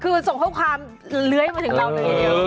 อ๋อคือส่งข้อความเล้ยมาถึงเรานี่เดียว